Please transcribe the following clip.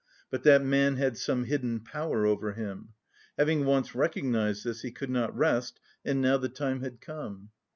But that man had some hidden power over him. Having once recognised this, he could not rest, and now the time had come.